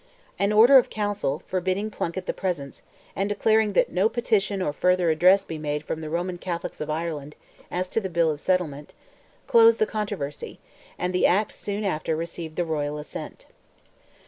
An order of Council, forbidding Plunkett the presence, and declaring that "no petition or further address be made from the Roman Catholics of Ireland, as to the Bill of Settlement," closed the controversy, and the Act soon after received the royal assent.